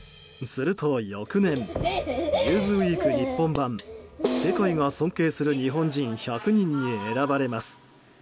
すると翌年「ニューズウィーク」日本版世界が尊敬する日本人１００人に選ばれます。